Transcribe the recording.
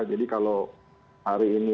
jadi kalau hari ini